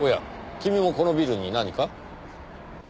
君もこのビルに何か？